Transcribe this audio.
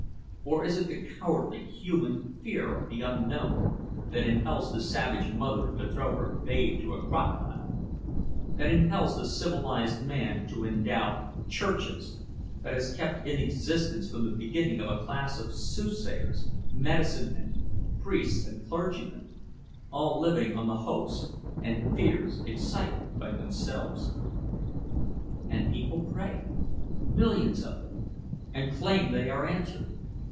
Or is it the cowardly, human fear of the unknown that impels the savage mother to throw her babe to a crocodile that impels the civilized man to endow churches that has kept in existence from the beginning a class of soothsayers, medicine men, priests, and clergymen, all living on the hopes and fears excited by themselves? "And people pray millions of them and claim they are answered.